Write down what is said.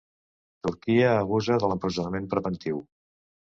Turquia abusa de l'empresonament preventiu